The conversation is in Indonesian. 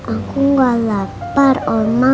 aku gak lapar oma